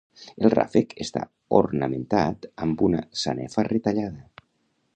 El ràfec està ornamentat amb una sanefa retallada.